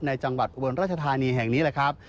จังหวัดอุบลราชธานีแห่งนี้แหละครับ